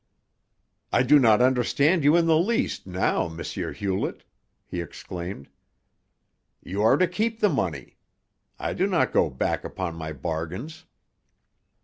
"I do not understand you in the least, now, M. Hewlett," he exclaimed. "You are to keep the money. I do not go back upon my bargains."